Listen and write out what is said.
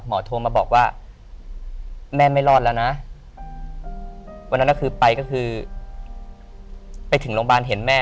โทรมาบอกว่าแม่ไม่รอดแล้วนะวันนั้นก็คือไปก็คือไปถึงโรงพยาบาลเห็นแม่